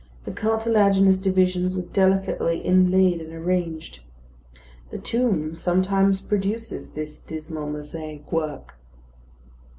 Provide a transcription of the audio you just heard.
The cartilaginous divisions were delicately inlaid and arranged. The tomb sometimes produces this dismal mosaic work.